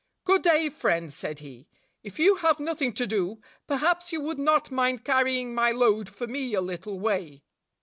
"Good day, friend," said he. "If you have nothing to do, perhaps you would not mind carrying my load for me a little way."